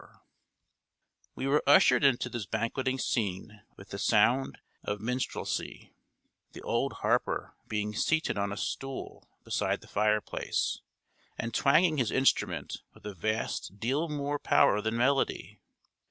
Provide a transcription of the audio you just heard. ] We were ushered into this banqueting scene with the sound of minstrelsy, the old harper being seated on a stool beside the fireplace, and twanging his instrument with a vast deal more power than melody.